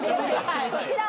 こちら。